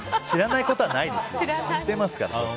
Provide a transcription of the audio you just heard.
知らないことはないですよ。